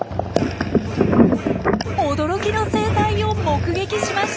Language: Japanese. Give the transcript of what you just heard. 驚きの生態を目撃しました！